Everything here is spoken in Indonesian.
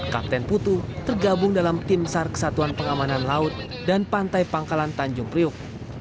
kapten putu tergabung dalam tim sar kesatuan pengamanan laut dan pantai pangkalan tanjung priuk